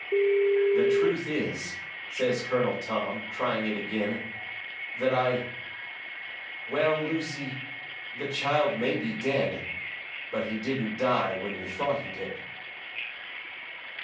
"The truth is," says Colonel Tom, trying it agin, "that I well, Lucy, the child may be dead, but he didn't die when you thought he did."